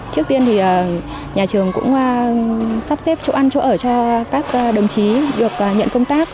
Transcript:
trước tiên thì nhà trường cũng sắp xếp chỗ ăn chỗ ở cho các đồng chí được nhận công tác